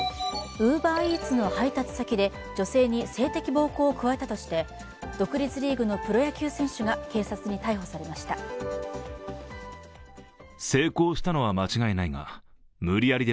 ＵｂｅｒＥａｔｓの配達先で女性に性的暴行を加えたとして独立リーグのプロ野球選手が警察に逮捕されました。